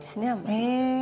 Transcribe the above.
へえ。